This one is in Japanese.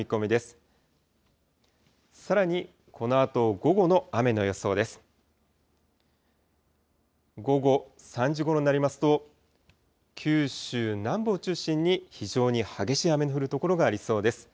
午後３時ごろになりますと、九州南部を中心に、非常に激しい雨の降る所がありそうです。